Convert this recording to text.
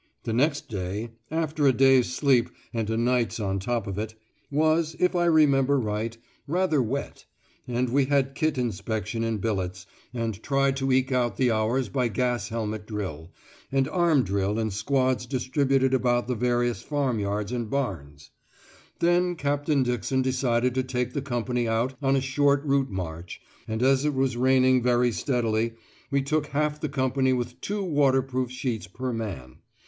The next day (after a day's sleep and a night's on top of it) was, if I remember right, rather wet, and we had kit inspection in billets, and tried to eke out the hours by gas helmet drill, and arm drill in squads distributed about the various farmyards and barns. Then Captain Dixon decided to take the company out on a short route march, and as it was raining very steadily we took half the company with two waterproof sheets per man.